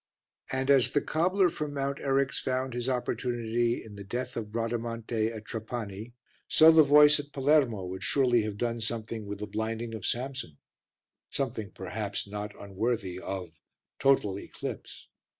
And as the cobbler from Mount Eryx found his opportunity in the Death of Bradamante at Trapani, so the voice at Palermo would surely have done something with the Blinding of Samson something perhaps not unworthy of Total Eclipse.